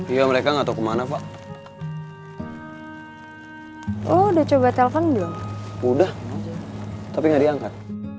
iya mereka enggak tahu kemana pak udah coba telepon belum udah tapi nggak diangkat